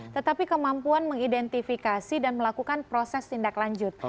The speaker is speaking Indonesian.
tetapi kemampuan mengidentifikasi dan melakukan proses tindak lanjut